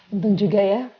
untung juga ya